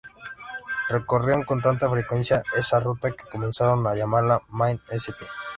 Recorrían con tanta frecuencia esa ruta que comenzaron a llamarla "Main St".